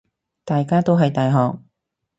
大家都係大學